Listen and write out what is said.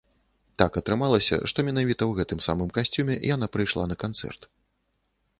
Так атрымалася, што менавіта ў гэтым самым касцюме яна прыйшла на канцэрт.